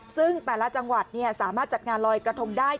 ซึ่งแต่ละจังหวัดสามารถจัดงานลอยกระทงได้